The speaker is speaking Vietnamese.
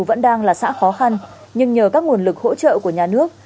vẫn đang là xã khó khăn nhưng nhờ các nguồn lực hỗ trợ của nhà nước